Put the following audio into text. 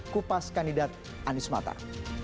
kupas kandidat anies matar